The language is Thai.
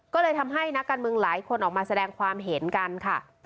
ก็เลยทำให้นักการเมืองหลายคนออกมาแสดงความเห็นกันค่ะ